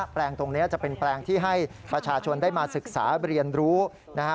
แปลงตรงนี้จะเป็นแปลงที่ให้ประชาชนได้มาศึกษาเรียนรู้นะฮะ